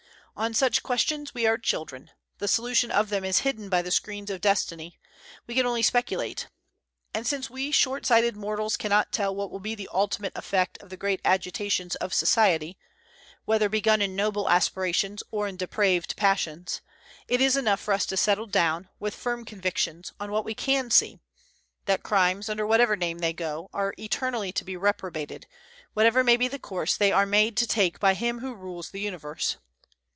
On such questions we are children; the solution of them is hidden by the screens of destiny; we can only speculate. And since we short sighted mortals cannot tell what will be the ultimate effect of the great agitations of society, whether begun in noble aspirations or in depraved passions, it is enough for us to settle down, with firm convictions, on what we can see, that crimes, under whatever name they go, are eternally to be reprobated, whatever may be the course they are made to take by Him who rules the universe.